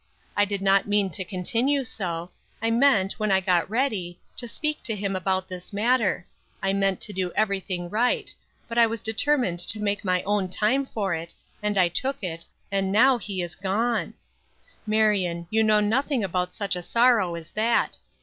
I did not mean to continue so; I meant, when I got ready, to speak to him about this matter; I meant to do everything right; but I was determined to take my own time for it, and I took it, and now he is gone! Marion, you know nothing about such a sorrow as that!